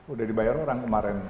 udah dibayar orang kemarin